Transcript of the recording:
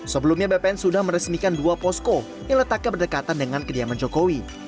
sebelumnya bpn sudah meresmikan dua posko yang letaknya berdekatan dengan kediaman jokowi